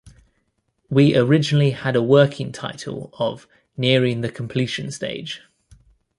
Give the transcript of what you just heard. We originally had a working title of 'Nearing The Completion Stage'.